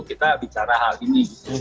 kita bicara hal ini